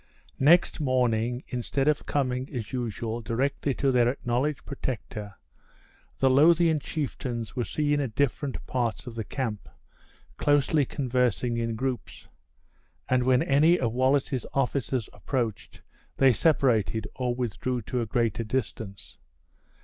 Next morning, instead of coming as usual directly to their acknowledged protector, the Lothian chieftains were seen at different parts of the camp, closely conversing in groups; and when any of Wallace's officers approached, they separated, or withdrew to a greater distance.